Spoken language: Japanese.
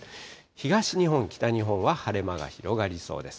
東日本、北日本は晴れ間が広がりそうです。